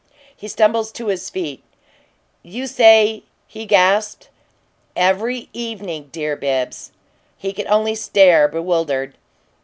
He stumbled to his feet. "You say " he gasped. "Every evening, dear Bibbs!" He could only stare, bewildered.